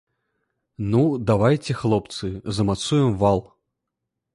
Ну, давайце, хлопцы, замацуем вал.